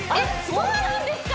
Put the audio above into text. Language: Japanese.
そうなんですか？